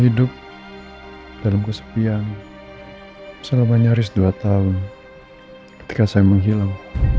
hidup dalam kesepian selama nyaris dua tahun ketika saya menghilang